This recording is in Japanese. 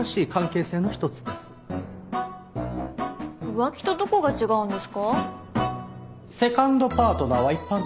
浮気とどこが違うんですか？